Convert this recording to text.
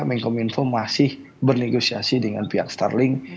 mencom info masih bernegosiasi dengan pihak starlink